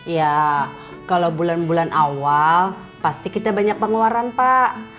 ya kalau bulan bulan awal pasti kita banyak pengeluaran pak